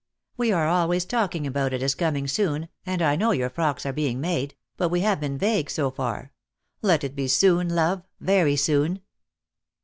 We are always talking about it as coming soon, and I know your frocks are being made, but we have been vague so far. Let it be soon, love, very soon!"